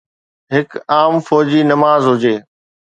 هڪ عام فوجي نماز هجي